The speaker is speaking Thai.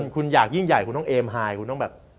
คุณอยากยิ่งใหญ่คุณต้องเอมไฮคุณต้องแบบ